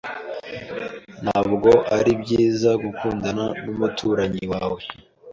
Ntabwo ari byiza gukundana numuturanyi wawe.